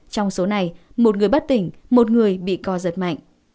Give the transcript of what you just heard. trong số này một người bất tỉnh một người bị co giật mạnh